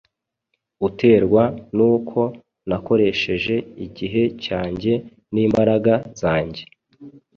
uterwa n’uko nakoresheje igihe cyanjye n’imbaraga zanjye